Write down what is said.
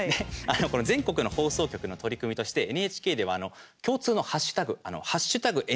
全国の放送局の取り組みとしてＮＨＫでは共通のハッシュタグ「＃